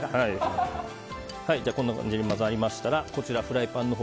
こんな感じに混ざりましたらフライパンに。